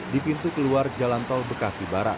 di pintu keluar jalan tol bekasi barat